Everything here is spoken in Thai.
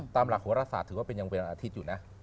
ตามหลักโหรศาสตร์ถือว่าเป็นยังเป็นวันอาทิตย์อยู่นะ